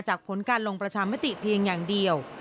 ผลการลงประชามติเพียงอย่างเดียว